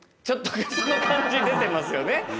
ちょっと、そんな感じ出てますよね。